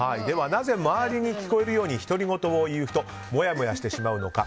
なぜ、周りに聞こえるように独り言をいうともやもやしてしまうのか。